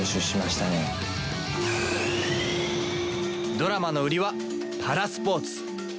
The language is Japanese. ドラマの売りはパラスポーツ。